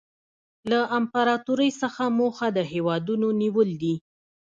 له امپراطورۍ څخه موخه د هېوادونو نیول دي